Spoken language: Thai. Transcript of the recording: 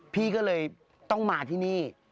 พี่ก็เลยต้องมาที่นี่